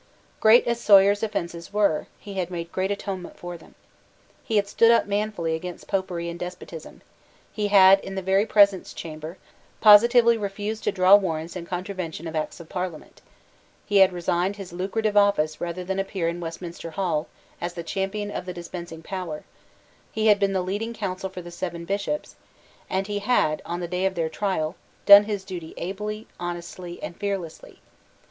Great as Sawyer's offences were, he had made great atonement for them. He had stood up manfully against Popery and despotism; he had, in the very presence chamber, positively refused to draw warrants in contravention of Acts of Parliament; he had resigned his lucrative office rather than appear in Westminster Hall as the champion of the dispensing power; he had been the leading counsel for the seven Bishops; and he had, on the day of their trial, done his duty ably, honestly, and fearlessly.